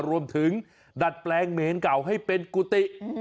ดัดแปลงเมนเก่าให้เป็นกุฏิ